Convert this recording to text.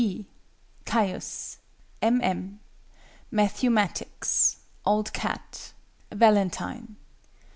BEE. CAIUS. M. M. MATTHEW MATTICKS. OLD CAT. VALENTINE.